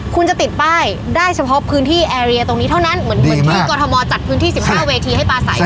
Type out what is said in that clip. คุณจะติดป้ายได้เฉพาะพื้นที่แอร์เรียตรงนี้เท่านั้นเหมือนที่กรทมจัดพื้นที่๑๕เวทีให้ปลาใส